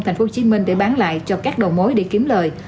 tp hcm để bán lại cho các đầu mối để kiếm lời